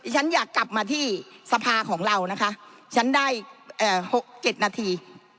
ฉันอยากกลับมาที่สภาของเรานะคะฉันได้๖๗นาที